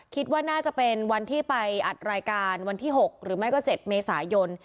คิดว่าน่าจะเป็นวันที่ไปอัดรายการวันที่๖หรือไม่ก็๗เมษายน